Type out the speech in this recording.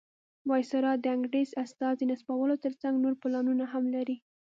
وایسرا د انګریز استازي نصبولو تر څنګ نور پلانونه هم لري.